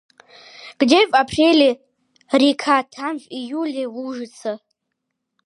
Где в апреле река, там в июле лужица.